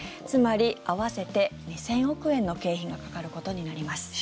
つまり、合わせて２０００億円の経費がかかることになります。